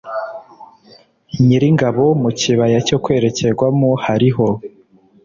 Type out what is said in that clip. Nyiringabo mu kibaya cyo kwerekerwamo hariho